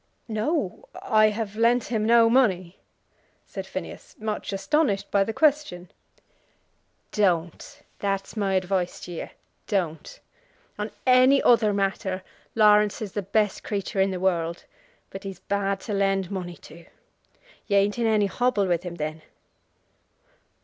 "No; I have lent him no money," said Phineas, much astonished by the question. "Don't. That's my advice to ye. Don't. On any other matter Laurence is the best creature in the world, but he's bad to lend money to. You ain't in any hobble with him, then?"